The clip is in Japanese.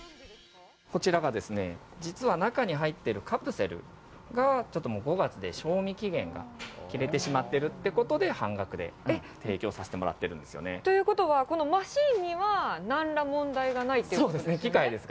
こちらが、実は中に入っているカプセルがちょっともう５月で賞味期限が切れてしまってるってことで、半額で提供させてもらっているんですよということは、このマシーンにはなんら問題がないっていうことですか。